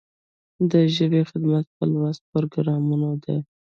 د ژبې خدمت په لوست پروګرامونو دی.